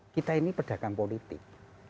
kita ini pedagang politik